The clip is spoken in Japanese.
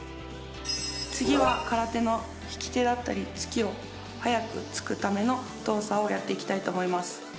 次は空手の引き手だったり突きを早く突くための動作をやっていきたいと思います。